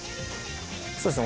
そうっすね